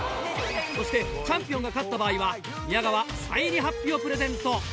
そしてチャンピオンが勝った場合は宮川サイン入りハッピをプレゼント。